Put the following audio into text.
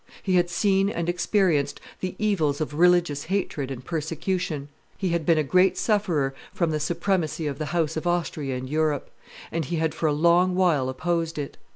He had seen and experienced the evils of religious hatred and persecution. He had been a great sufferer from the supremacy of the house of Austria in Europe, and he had for a long while opposed it.